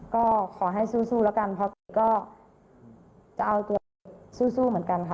ก็ขอให้สู้แล้วกันพอติดก็จะเอาตัวไปสู้เหมือนกันค่ะ